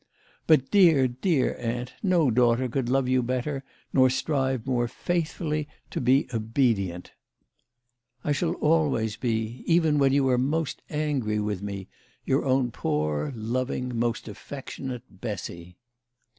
" But dear, dear aunt, no daughter could love you better, nor strive more faithfully to be obedient. 170 THE LADY OF LAUNAY. "I shall always be, even when you are most angry with me, your own, poor, loving, most affectionate "BESSY."